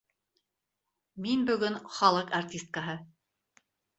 Мин бөгөн халыҡ артисткаһы.